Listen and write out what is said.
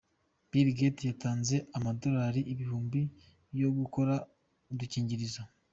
Bill Gates yatanze amadolari ibihumbi yo gukora udukingirizo.